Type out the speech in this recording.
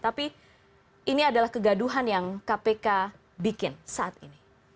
tapi ini adalah kegaduhan yang kpk bikin saat ini